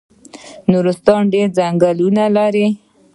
نورستان ډیر ځنګلونه لري